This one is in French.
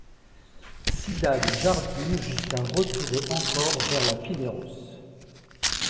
Cidade Jardim, jusqu'à retourer encore vers la Pinheiros.